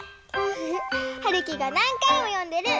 フフ。はるきがなんかいもよんでる